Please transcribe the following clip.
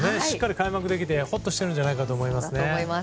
しっかり開幕できてほっとしてるんじゃないかと思います。